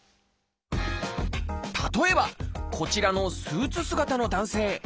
例えばこちらのスーツ姿の男性。